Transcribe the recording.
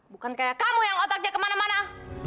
bukan kayak kamu yang otaknya kemana mana